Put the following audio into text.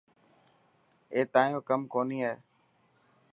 اي تايون ڪم ڪوني هي.